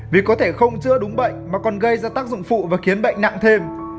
vì có thể không chữa đúng bệnh mà còn gây ra tác dụng phụ và khiến bệnh nặng thêm